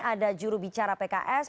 ada jurubicara pks